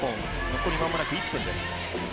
残りまもなく１分です。